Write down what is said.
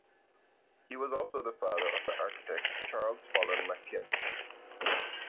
He was also the father of the architect Charles Follen McKim.